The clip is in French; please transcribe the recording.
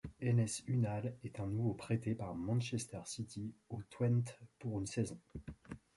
Enes Ünal est à nouveau prêté par Manchester City au Twente pour une saison.